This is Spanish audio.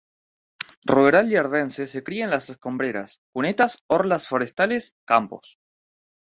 Ruderal y arvense, se cría en las escombreras, cunetas, orlas forestales, campos.